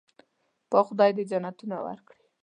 پاک خدای دې جنتونه ورکړي.